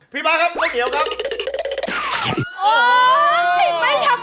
พี่บ้านครับน้องเหนียวครับ